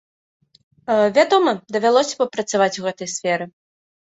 Вядома, давялося папрацаваць у гэтай сферы.